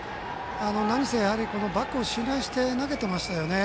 なにせバックを信頼して投げてましたよね。